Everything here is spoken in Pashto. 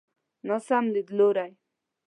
ناسم ليدلوری.